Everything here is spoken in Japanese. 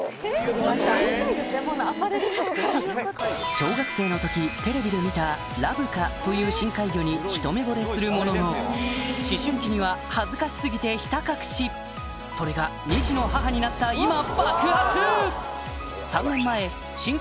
小学生の時テレビで見たラブカという深海魚に一目ぼれするものの思春期には恥ずかし過ぎてひた隠しそれが２児の母になった今爆発！